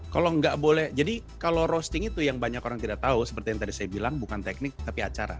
kalau nggak boleh jadi kalau roasting itu yang banyak orang tidak tahu seperti yang tadi saya bilang bukan teknik tapi acara